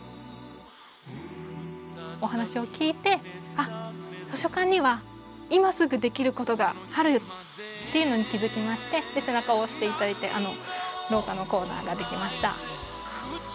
お話を聞いて「あっ図書館には今すぐできることがある」っていうのに気付きまして背中を押して頂いてあの廊下のコーナーができました。